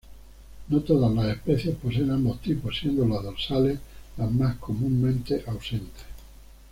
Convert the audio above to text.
No todas las especies poseen ambos tipos, siendo las dorsales las más comúnmente ausentes.